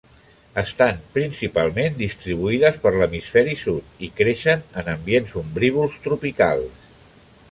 Estan principalment distribuïdes per l'Hemisferi Sud i creixen en ambients ombrívols tropicals.